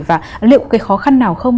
và liệu cái khó khăn nào không